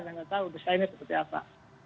saya nggak tahu desainnya seperti apa